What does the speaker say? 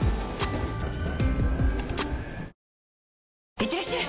いってらっしゃい！